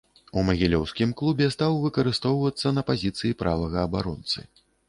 У магілёўскім клубе стаў выкарыстоўвацца на пазіцыі правага абаронцы.